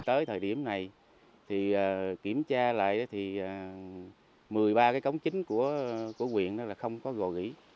tới thời điểm này kiểm tra lại thì một mươi ba cái cống chính của huyện là không có gò gỉ